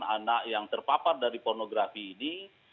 anak yang terpapar dari pornografi ini